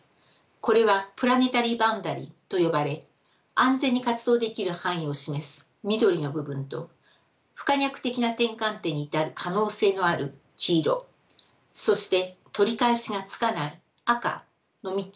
これはプラネタリー・バウンダリーと呼ばれ安全に活動できる範囲を示す緑の部分と不可逆的な転換点に至る可能性のある黄色そして取り返しがつかない赤の３つの領域から出来ています。